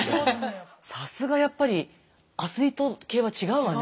さすがやっぱりアスリート系は違うわね。